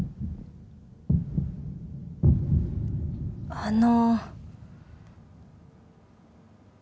あの。